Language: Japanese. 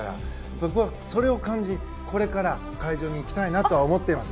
僕はそれを感じ、これから会場に行きたいなと思います。